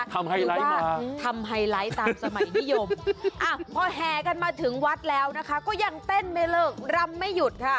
ไฮไลท์ทำไฮไลท์ตามสมัยนิยมพอแห่กันมาถึงวัดแล้วนะคะก็ยังเต้นไม่เลิกรำไม่หยุดค่ะ